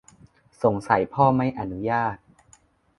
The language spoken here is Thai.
สงสัยพ่อไม่อนุญาต